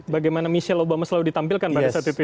bagaimana michelle obama selalu ditampilkan pada saat itu ya